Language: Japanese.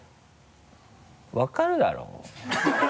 分かるだろ？